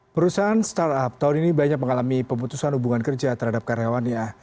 perusahaan startup tahun ini banyak mengalami pemutusan hubungan kerja terhadap karyawannya